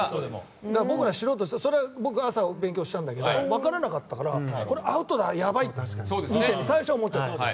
僕ら素人で僕は朝、勉強したんだけど分からなかったからこれアウトだ、やばいって最初は思っちゃった。